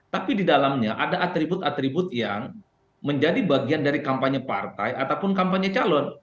tapi di dalamnya ada atribut atribut yang menjadi bagian dari kampanye partai ataupun kampanye calon